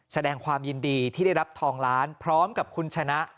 แสดงความยินดีที่ได้รับทองล้านพร้อมกับคุณชนะ